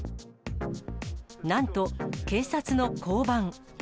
なんと、警察の交番。